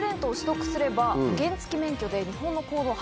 原付免許で。